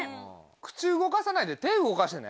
口動かさないで手動かしてね？